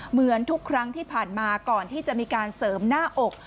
เหมือนทุกครั้งที่ผ่านมาก่อนที่จะมีการเสริมหน้าอก